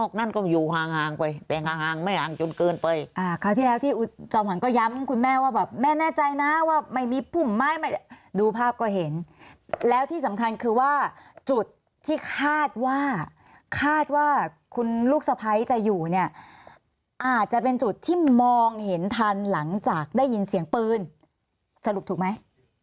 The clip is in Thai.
คราวที่แล้วที่จอหวันก็ย้ำคุณแม่ว่าแบบแม่แน่ใจนะว่าไม่มีภูมิไม่ดูภาพก็เห็นแล้วที่สำคัญคือว่าจุดที่คาดว่าคาดว่าคุณลูกสะพ้ายจะอยู่เนี่ยอาจจะเป็นจุดที่มองเห็นทันหลังจากได้ยินเสียงปืนสรุปถูกไหม